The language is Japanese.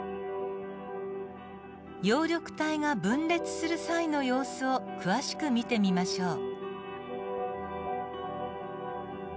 葉緑体が分裂する際の様子を詳しく見てみましょう。